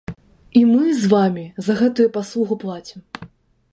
І мы з вамі за гэтую паслугу плацім.